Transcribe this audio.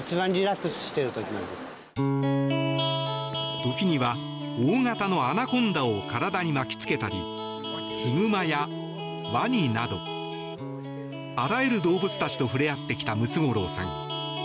時には、大形のアナコンダを体に巻きつけたりヒグマやワニなどあらゆる動物たちと触れ合ってきたムツゴロウさん。